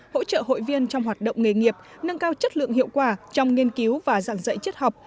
hỗ trợ hội viên trong hoạt động nghề nghiệp nâng cao chất lượng hiệu quả trong nghiên cứu và giảng dạy chất học